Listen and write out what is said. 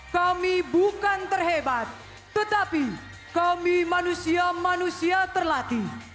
kami bukan terhebat tetapi kami manusia manusia terlatih